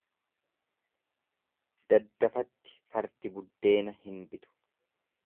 Daddafatti fardi buddeena hin bitu.